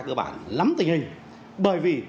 cơ bản lắm tình hình bởi vì